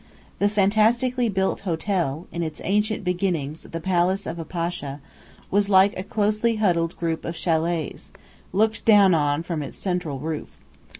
The fantastically built hotel (in its ancient beginnings the palace of a Pasha) was like a closely huddled group of châlets, looked down on from its central roof.